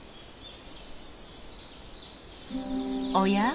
おや？